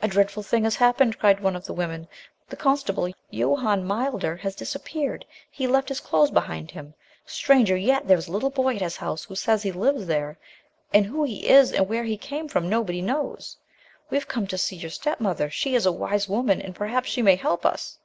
"A dreadful thing has happened," cried one of the women ; "the constable, Johann Milder, has disappeared. He left his clothes behind him. Stranger yet, there is a little boy at his house who says he lives there, and who he is and where he came from nobody knows. We have come to see your step mother; she is a wise woman and perhaps she may help us.